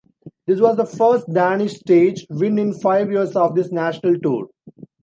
This was the first Danish stage win in five years of this national tour.